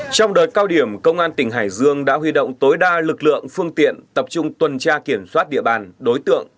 trong đợt cao điểm công an tỉnh hải dương đã huy động tối đa lực lượng phương tiện tập trung tuần tra kiểm soát địa bàn đối tượng